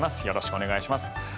よろしくお願いします。